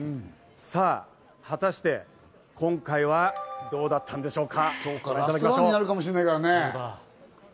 さあ果たして今回はどうだったんでしょうか？